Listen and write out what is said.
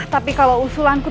tapi kalau usulanku